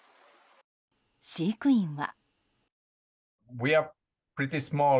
飼育員は。